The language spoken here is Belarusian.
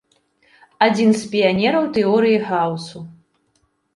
Адзін з піянераў тэорыі хаосу.